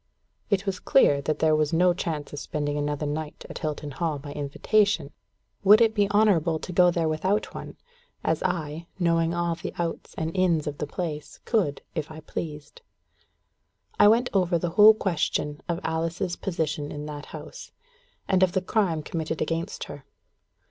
It was clear that there was no chance of spending another night at Hilton Hall by invitation: would it be honourable to go there without one, as I, knowing all the outs and ins of the place, could, if I pleased? I went over the whole question of Alice's position in that house, and of the crime committed against her.